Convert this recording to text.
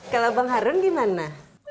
kalau bang harun gimana